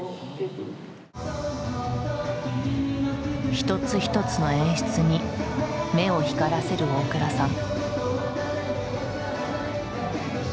一つ一つの演出に目を光らせる大倉さん。